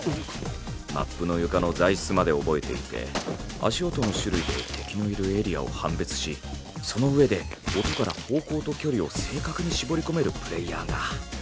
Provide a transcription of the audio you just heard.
マップの床の材質まで覚えていて足音の種類で敵のいるエリアを判別しその上で音から方向と距離を正確に絞り込めるプレーヤーが。